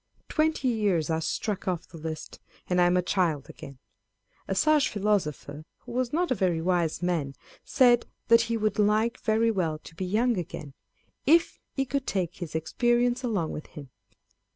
Twenty years are struck off the list, and I am a child again. A sage philosopher, who was not a very wise man, said, that he should like "very well to be young again, if he could take his expe rience along with him.